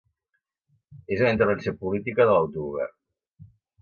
És una intervenció política de l’autogovern.